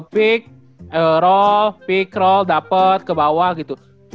pick roll pick roll dapet kebawah gitu